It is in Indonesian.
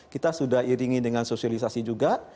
kita sudah iringi dengan sosialisasi juga